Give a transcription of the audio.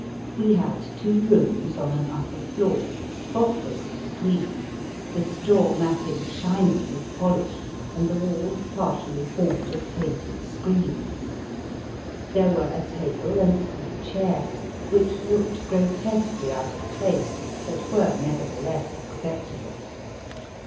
We had two rooms on an upper floor, spotlessly clean, the straw mat ting shining with polish, and the walls par tially formed of painted screens. There were a table and three chairs, which looked grotesquely out of place, but were neverthe less acceptable.